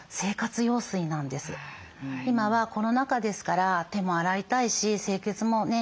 今はコロナ禍ですから手も洗いたいし清潔もね